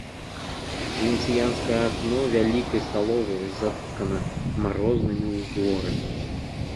Венецыянскае акно вялікай сталовай заткана марознымі ўзорамі.